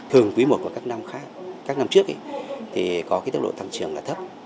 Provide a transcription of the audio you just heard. thường quý i của các năm trước thì có tốc độ tăng trưởng là thấp